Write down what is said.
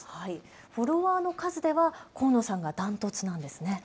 フォロワーの数では河野さんがダントツなんですね。